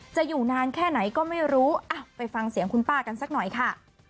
อยู่นานแค่ไหนก็ไม่รู้ไปฟังเสียงคุณป้ากันสักหน่อยค่ะ